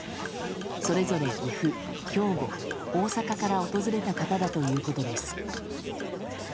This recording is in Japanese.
それぞれ岐阜、兵庫、大阪から訪れた方だということです。